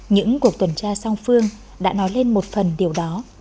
những cuộc tuần tra song phương đã nói lên một phần điều đó